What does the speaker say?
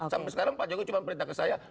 sampai sekarang pak jokowi cuma perintah ke saya